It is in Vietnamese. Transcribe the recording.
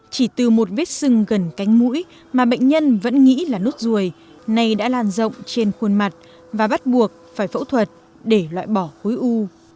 chỉ từ một vết sưng gần cánh mũi mà bệnh nhân vẫn nghĩ là nốt ruồi nay đã lan rộng trên khuôn mặt và bắt buộc phải phẫu thuật để loại bỏ khối u